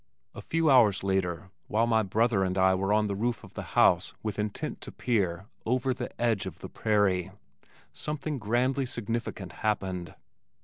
A few hours later, while my brother and I were on the roof of the house with intent to peer "over the edge of the prairie" something grandly significant happened.